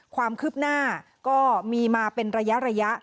ความคืบหน้าก็มีมาเป็นระยะ